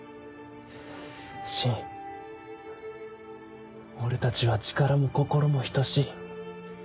信俺たちは力も心も等しい。